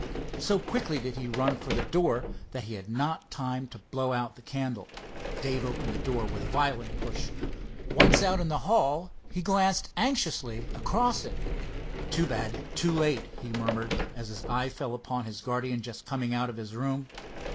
So quickly did he run for the door that he had not time to blow out the candle. Dave opened the door with a violent push. Once out in the hall he glanced anxiously across it. "Too bad—too late," he murmured, as his eye fell upon his guardian just coming out of his room.